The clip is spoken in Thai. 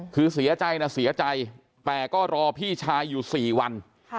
คือเสียใจนะเสียใจแต่ก็รอพี่ชายอยู่๔วัน